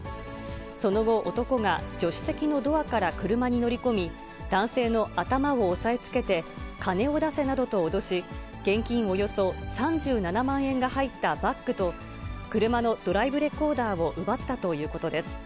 その後、男が助手席のドアから車に乗り込み、男性の頭を押さえつけて、金を出せなどと脅し、現金およそ３７万円が入ったバッグと、車のドライブレコーダーを奪ったということです。